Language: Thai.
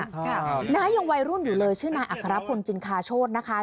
ค่ะนะฮะยังวัยรุ่นอยู่เลยชื่อนายอัครพลจินคาโชธนะคะ